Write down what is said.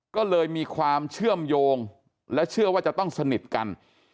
ก็เลยมีความเชื่อมโยงและเชื่อว่าจะต้องสนิทกัน